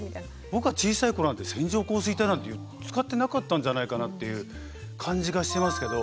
僕が小さい頃なんて線状降水帯なんて使ってなかったんじゃないかなっていう感じがしてますけど。